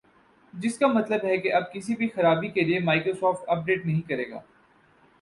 جس کا مطلب ہے اب کسی بھی خرابی کے لئے مائیکروسافٹ اپ ڈیٹ نہیں کرے گا